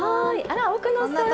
あら奥野さん。